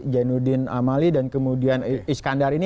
jainuddin amali dan kemudian iskandar ini